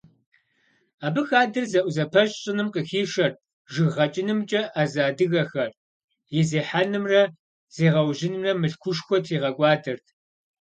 Абы хадэр зэӀузэпэщ щӀыным къыхишэрт жыг гъэкӀынымкӀэ Ӏэзэ адыгэхэр, и зехьэнымрэ зегъэужьынымрэ мылъкушхуэ тригъэкӀуадэрт.